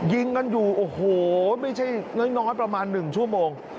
ยิงกันอยู่โอ้โหไม่ใช่น้อยประมาณ๑ชั่วโมง